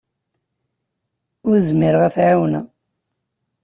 Ur zmireɣ ad t-ɛawneɣ.